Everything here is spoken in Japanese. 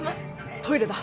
トイレだ！